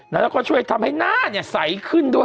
แล้วก็ช่วยทำให้หน้าใสขึ้นด้วย